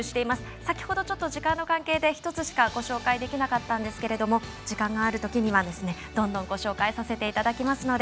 先ほど時間の関係で１つしかご紹介できなかったんですが時間のあるときにはどんどんご紹介させていただきますので